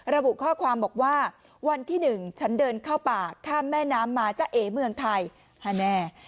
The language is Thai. ระบุข้อความบอกว่าวันที่๑ฉันเดินเข้าป่าข้ามแม่น้ำมาจ้าเอเมืองไทยฮาแน่